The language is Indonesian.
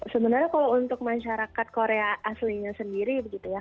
sebenarnya kalau untuk masyarakat korea aslinya sendiri begitu ya